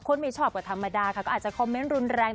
ไม่ชอบก็ธรรมดาค่ะก็อาจจะคอมเมนต์รุนแรง